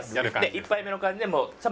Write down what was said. １杯目の感じで。